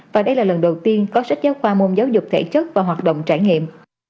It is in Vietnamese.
và đây là lần đầu tiên có sách giáo khoa môn giáo dục thể chất và hoạt động trải nghiệm